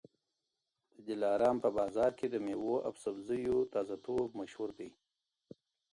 د دلارام په بازار کي د مېوو او سبزیو تازه توب مشهور دی.